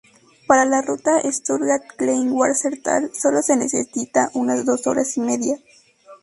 Para la ruta "Stuttgart-Kleinwalsertal" solo se necesita unas dos horas y media.